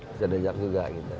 bisa dejak juga gitu